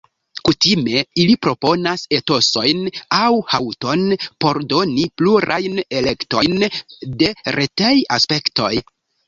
Kutime ili proponas "etosojn" aŭ "haŭton"' por doni plurajn elektojn de retej-aspektoj.